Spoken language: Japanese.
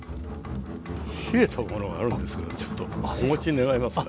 冷えたものがあるんですけどちょっとお持ち願えますかね？